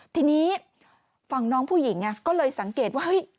ทีนี้ฝั่งน้องผู้หญิงก็เลยสังเกตว่าเฮ้ย